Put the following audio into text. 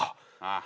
ああ。